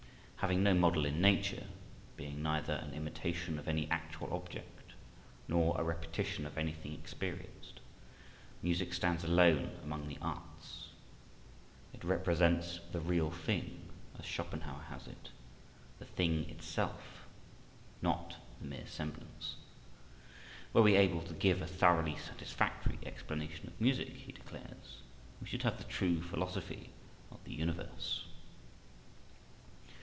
Having no model in nature, being neither an imitation of any actual object, nor a repetition of anything experienced, music stands alone among the arts. It represents the real thing, as Schopenhauer has it, the thing itself, not the mere semblance. Were we able to give a thoroughly satisfactory explanation of music, he declares, we should have the true philosophy of the universe.